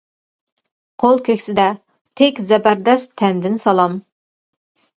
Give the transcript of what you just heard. قول كۆكسىدە تىك زەبەردەس تەندىن سالام.